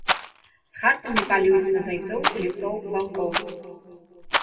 З хартамі палююць на зайцоў, лісоў, ваўкоў.